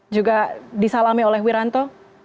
juga disalami oleh wiranto